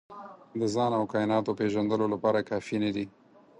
د ځان او کایناتو پېژندلو لپاره کافي نه دي.